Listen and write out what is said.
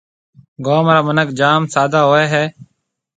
گوم را مِنک جام سادھ ھوئيَ ھيََََ